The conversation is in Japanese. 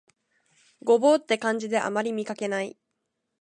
牛蒡って漢字であまり見かけない